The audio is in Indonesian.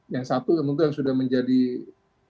yang satu tentu yang sudah menjadi penonton kita tahu